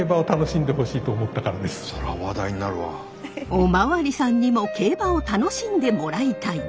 お巡りさんにも競馬を楽しんでもらいたい！